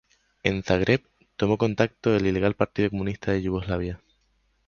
En Zagreb tomó contacto en el ilegal Partido Comunista de Yugoslavia.